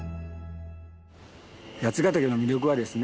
八ヶ岳の魅力はですね